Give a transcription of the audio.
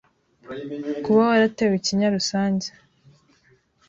Kuba waratewe ikinya rusange